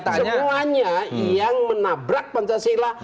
semuanya yang menabrak pancasila